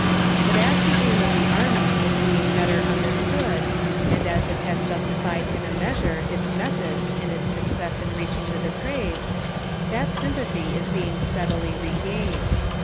But as the aim of the Array is being better understood, and as it has justified in a measure its methods in its success in reaching the depraved, that sympathy is being steadily re gained.